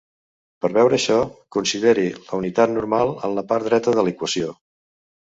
Per veure això, consideri la unitat normal en la part dreta de l'equació.